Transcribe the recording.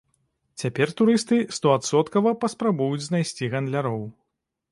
Цяпер турысты стоадсоткава паспрабуюць знайсці гандляроў.